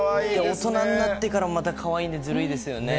大人になってからもまたかわいいんで、ずるいですよね。